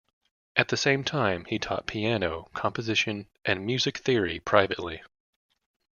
At the same time, he taught piano, composition and music theory privately.